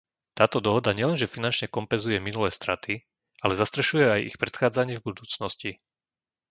Táto dohoda nielenže finančne kompenzuje minulé straty, ale zastrešuje aj ich predchádzanie v budúcnosti.